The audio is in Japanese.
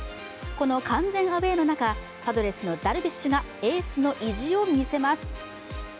この完全アウェーの中パドレスのダルビッシュがエースの意地を見せます。